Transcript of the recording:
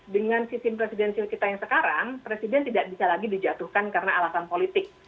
dengan sistem presidensil kita yang sekarang presiden tidak bisa lagi dijatuhkan karena alasan politik